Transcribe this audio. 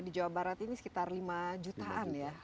di jawa barat ini sekitar lima jutaan ya